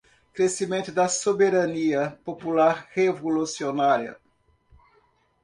Crescimento da soberania popular revolucionária